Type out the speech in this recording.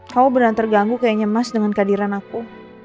kau benar terganggu kayaknya mas dengan kehadiran aku